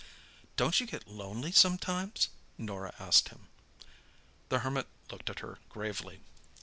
"Don't you get lonely sometimes?" Norah asked him. The Hermit looked at her gravely.